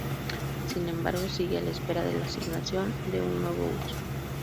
Sin embargo sigue a la espera de la asignación de un nuevo uso.